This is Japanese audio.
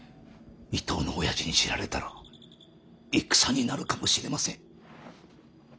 伊東のおやじに知られたら戦になるかもしれません。